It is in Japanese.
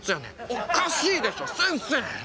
おかしいでしょ先生。